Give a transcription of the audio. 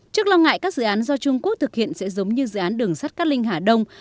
trước lo ngại các dự án do trung quốc thực hiện sẽ giống như dự án đường sắt cát linh hà đông